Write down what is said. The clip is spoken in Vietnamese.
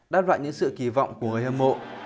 đáp lại những sự kỳ vọng của người hâm mộ